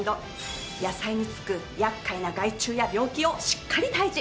野菜に付く厄介な害虫や病気をしっかり退治。